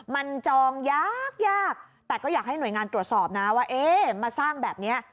มันจองยากยากแต่ก็อยากให้หน่วยงานตรวจสอบนะว่าเอ๊ะมาสร้างแบบนี้